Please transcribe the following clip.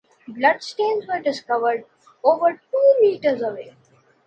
Bloodstains were discovered over two meters away.